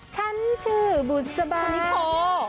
ฉันชื่อบุษบานิโค